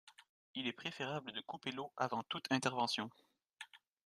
Il est préférable de couper l'eau avant toute intervention.